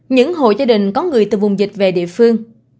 những hộ gia đình có người từ vùng dịch về địa phương